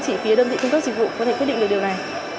chỉ phía đơn vị cung cấp dịch vụ có thể quyết định được điều này